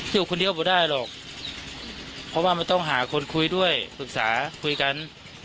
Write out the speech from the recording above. อยู่คนเดียวไม่ได้หรอกเพราะว่ามันต้องหาคนคุยด้วยปรึกษาคุยกัน